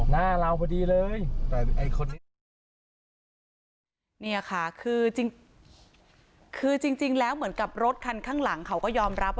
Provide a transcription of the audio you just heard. นี่ค่ะคือจริงแล้วเหมือนกับรถคันข้างหลังเขาก็ยอมรับ